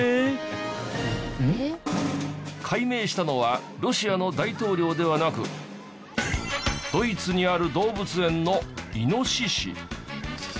改名したのはロシアの大統領ではなくドイツにある動物園のイノシシ。